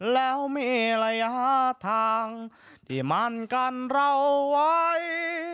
แล้วมีระยะทางที่มั่นกันเราไว้